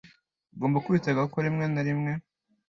Ugomba kwitega ko rimwe na rimwe.